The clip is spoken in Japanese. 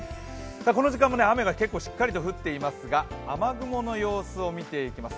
この時間も雨が結構しっかりと降っていますが雨雲の様子を見ていきます。